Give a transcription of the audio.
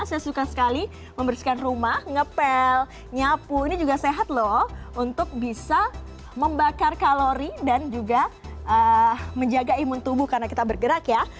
saya suka sekali membersihkan rumah ngepel nyapu ini juga sehat loh untuk bisa membakar kalori dan juga menjaga imun tubuh karena kita bergerak ya